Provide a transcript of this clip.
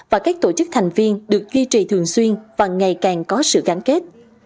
và các tổ chức thành viên được duy trì thường xuyên và ngày càng có sự gắn kết